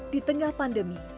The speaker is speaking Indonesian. di tengah pandemi